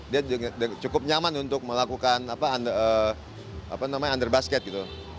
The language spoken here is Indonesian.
dia cukup nyaman untuk melakukan under basket gitu